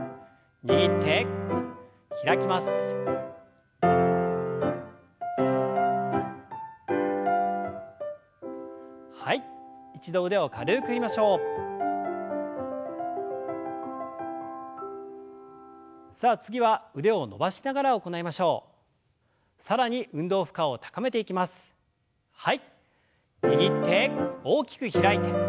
握って大きく開いて。